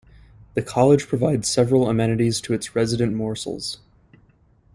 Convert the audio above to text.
The college provides several amenities to its resident Morsels.